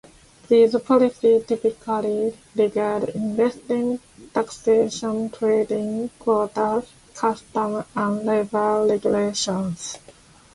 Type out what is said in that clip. These policies typically regard investing, taxation, trading, quotas, customs and labour regulations.